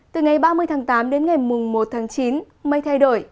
từ ngày ba mươi tháng tám đến ngày mùng một tháng chín mây thay đổi